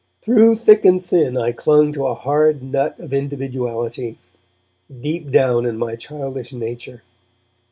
Through thick and thin I clung to a hard nut of individuality, deep down in my childish nature.